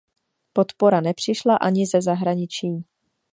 Podpora nepřišla ani ze zahraničí.